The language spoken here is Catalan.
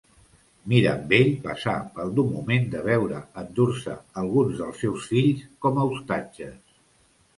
Mirambell passà pel dur moment de veure endur-se alguns dels seus fills com a ostatges.